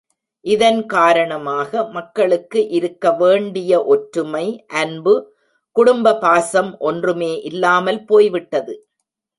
இதன் காரணமாக மக்களுக்கு இருக்க வேண்டிய ஒற்றுமை, அன்பு, குடும்ப பாசம் ஒன்றுமே இல்லாமல் போய்விட்டது.